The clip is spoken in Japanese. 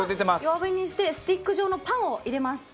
弱火にしてスティック状のパンを入れます。